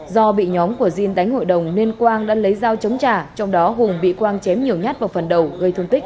do bị nhóm của dinh đánh hội đồng nên quang đã lấy dao chống trả trong đó hùng bị quang chém nhiều nhát vào phần đầu gây thông tích một mươi một